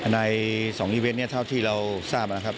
ใน๒อิเวทเท่าที่เราทราบ